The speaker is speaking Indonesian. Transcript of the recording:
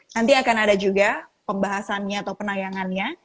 nanti akan ada juga pembahasannya atau penayangannya